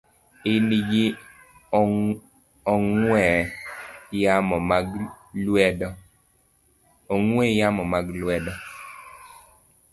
ni gi ong'we yamo mag lwedo.